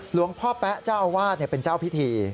หลวงพ่อแป๊ะเจ้าอาวาสเป็นเจ้าพิธี